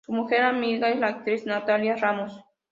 Su mejor amiga es la actriz Nathalia Ramos.